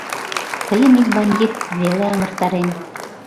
Тыйым ик «бандит» веле аҥыртарен.